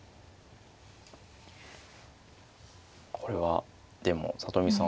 これはでも里見さん